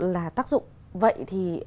là tác dụng vậy thì